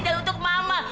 dan untuk mama